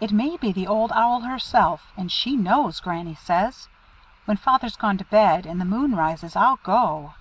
"It may be the Old Owl herself, and she knows, Granny says. When Father's gone to bed, and the moon rises, I'll go."